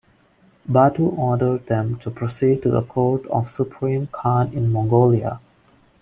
Batu ordered them to proceed to the court of the supreme Khan in Mongolia.